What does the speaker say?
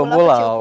emak lu pulau